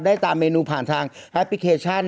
ตามเมนูผ่านทางแอปพลิเคชัน